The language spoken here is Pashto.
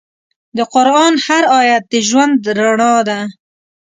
د قرآن هر آیت د ژوند رڼا ده.